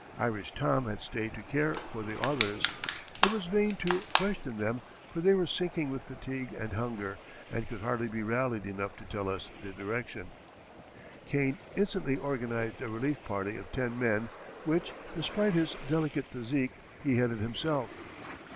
Irish Tom had stayed to care for the others. It was vain to question them, for they were sinking with fatigue and hunger, and could hardly be rallied enough to tell us the direction." Kane instantly organized a relief party of ten men, which, despite his delicate physique, he headed himself.